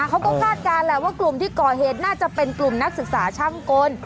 เขาก็คาดการณ์แหละว่ากลุ่มที่ก่อเหตุน่าจะเป็นกลุ่มนักศึกษาช่างกล